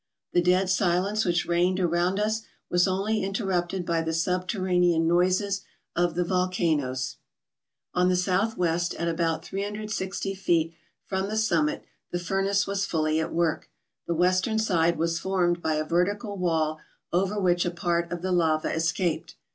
The dead silence which reigned around us was only interrupted by the subterranean noises of the volcanoes. On the south west, at about 360 feet from the summit, the furnace was fully at work. The western side was formed by a vertical wall over which a part of the lava escaped.